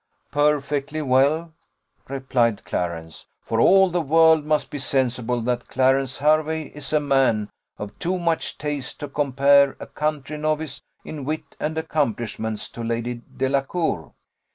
"Perfectly well," replied Clarence; "for all the world must be sensible that Clarence Hervey is a man of too much taste to compare a country novice in wit and accomplishments to Lady Delacour.